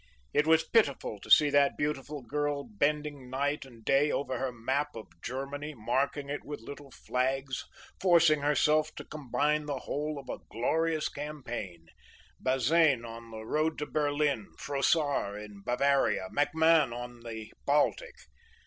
It was pitiful to see that beautiful girl bending night and day over her map of Germany, marking it with little flags, forcing herself to combine the whole of a glorious campaign—Bazaine on the road to Berlin, Frossard in Bavaria, MacMahon on the Baltic.